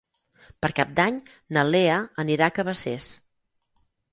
Per Cap d'Any na Lea anirà a Cabacés.